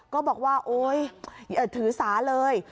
ก็บอกว่าถือสาเลย